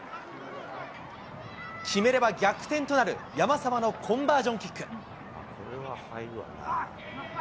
決めれば逆転となる、山沢のコンバージョンキック。